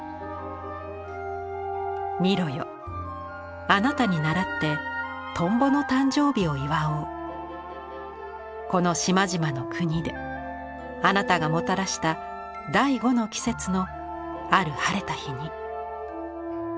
「ミロよあなたにならって蜻蛉の誕生日を祝おうこの島々の国であなたがもたらした第五の季節のある晴れた日に」。